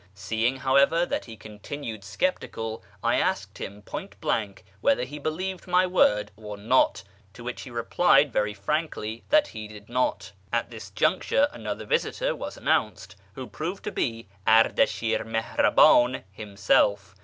Seeing, however, that he continued sceptical, I asked him point blank whether he believed my word or not ; to which he replied very frankly that he did not. At this juncture another visitor was announced, who proved to be Ardashir Mihrabcin himself.